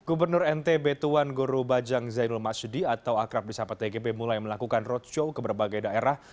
gubernur nt betuan guru bajang zainul masyidi atau akrab disahabat tgb mulai melakukan roadshow ke berbagai daerah